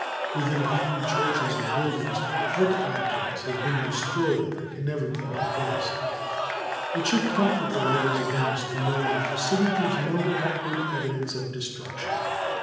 Within a few churches and buildings art objects have been destroyed that can never be replaced. It should comfort the lovers of Venice to know that the city gives no outward evidence of destruction.